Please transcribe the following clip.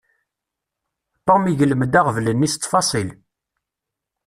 Tom iglem-d aɣbel-nni s ttfaṣil.